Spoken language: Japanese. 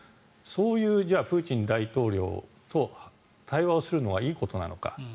そういうプーチン大統領と対話をするのはいいことなのか。